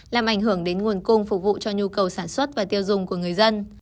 làm ảnh hưởng đến nguồn cung phục vụ cho nhu cầu sản xuất và tiêu dùng của người dân